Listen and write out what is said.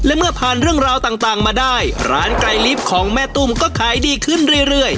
และเมื่อผ่านเรื่องราวต่างมาได้ร้านไก่ลิฟต์ของแม่ตุ้มก็ขายดีขึ้นเรื่อย